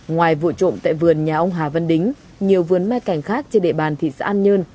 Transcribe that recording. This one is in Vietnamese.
ngoài vụ trộm tại vườn nhà ông hà văn đính nhiều vườn mai cảnh khác trên địa bàn thị xã an nhơn